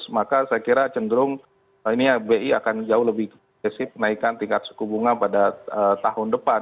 maka saya kira cenderung bi akan jauh lebih naikkan tingkat suku bunga pada tahun depan